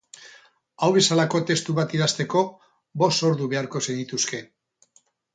Hau bezalako testu bat idazteko bost ordu beharko zenituzke.